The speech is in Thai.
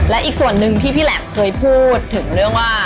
และอีกส่วนหนึ่งที่พี่แหลบเคยพูดถึงเรื่องว่า